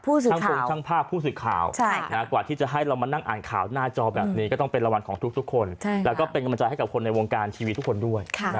ผู้สื่อข่าวทั้งภาพผู้สื่อข่าว